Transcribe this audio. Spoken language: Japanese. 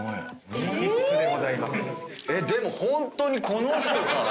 ⁉でもホントにこの人かな？